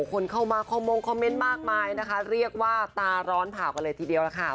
คนเข้ามาคอมมงคอมเมนต์มากมายนะคะเรียกว่าตาร้อนผ่ากันเลยทีเดียวล่ะค่ะ